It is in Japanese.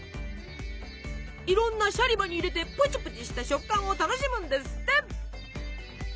いろんなシャリバに入れてプチプチした食感を楽しむんですって。